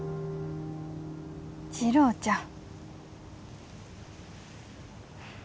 次郎ちゃん